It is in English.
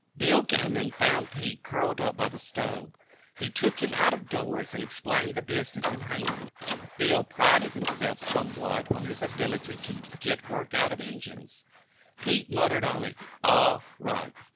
Bill Gammon found Pete curled up by the stove. He took him out of doors and explained the business in hand. Bill prided himself somewhat on his ability to "git work out of Injuns." Pete muttered only "all right."